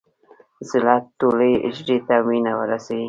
زړه ټولې حجرې ته وینه رسوي.